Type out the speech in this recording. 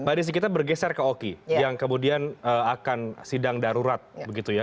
mbak desi kita bergeser ke oki yang kemudian akan sidang darurat begitu ya